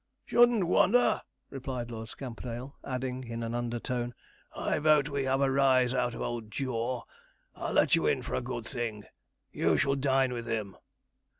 'Shouldn't wonder,' replied Lord Scamperdale; adding, in an undertone, 'I vote we have a rise out of old Jaw. I'll let you in for a good thing you shall dine with him.'